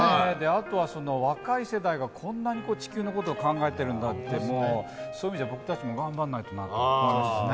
あとは若い世代がこんなに地球のことを考えてるんだって、そういう意味じゃ、僕たちも頑張らないとなと思いますね。